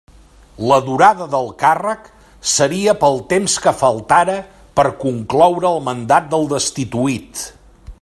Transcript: La durada del càrrec seria pel temps que faltara per a concloure el mandat del destituït.